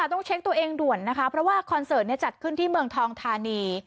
ต้องเช็คตัวเองด่วนนะคะเพราะว่าคอนเสิร์ตจัดขึ้นที่เมืองทองธานี